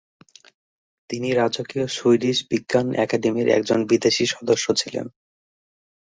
তিনি রাজকীয় সুইডিশ বিজ্ঞান একাডেমির একজন বিদেশি সদস্য ছিলেন।